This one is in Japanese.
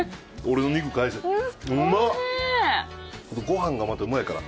ご飯がまたうまいから。